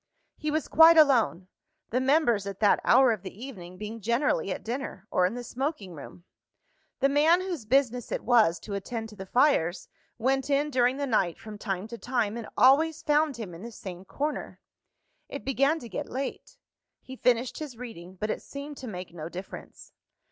He was quite alone; the members, at that hour of the evening, being generally at dinner, or in the smoking room. The man whose business it was to attend to the fires, went in during the night, from time to time, and always found him in the same corner. It began to get late. He finished his reading; but it seemed to make no difference.